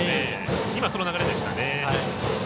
今、その流れでしたね。